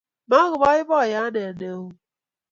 Mago boiboyo anee noo